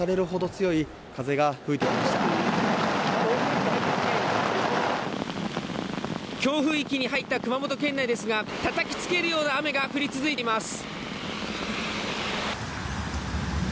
強風域に入った熊本県内ですがたたきつけるような雨が降り続いています。